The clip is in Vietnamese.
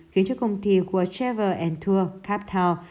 khiến cho công ty của trevor tour captown